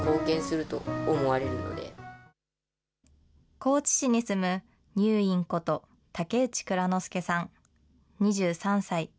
高知市に住むにゅーいんこと、竹内蔵之介さん２３歳。